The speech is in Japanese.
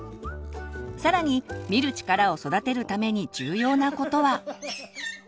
更に「見る力」を育てるために重要なことは。